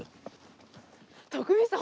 徳光さん